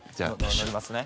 乗りますね。